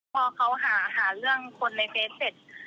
พอเขาหาเรื่องคนในเฟสเสร็จ